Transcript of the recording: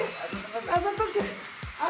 あざとく。